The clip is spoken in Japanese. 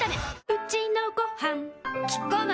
うちのごはんキッコーマン